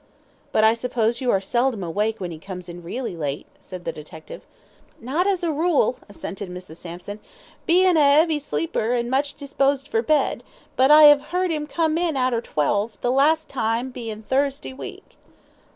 "But I suppose you are seldom awake when he comes in really late," said the detective. "Not as a rule," assented Mrs. Sampson; "bein' a 'eavy sleeper, and much disposed for bed, but I 'ave 'eard 'im come in arter twelve, the last time bein' Thursday week."